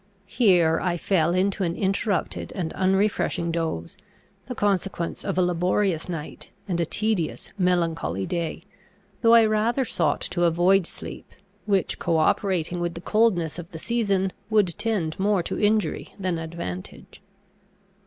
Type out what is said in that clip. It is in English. Here I fell into an interrupted and unrefreshing doze, the consequence of a laborious night, and a tedious, melancholy day; though I rather sought to avoid sleep, which, cooperating with the coldness of the season, would tend more to injury than advantage.